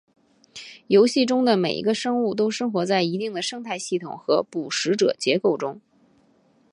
游戏中的每一个生物都生活在一定的生态系统和捕食者结构中。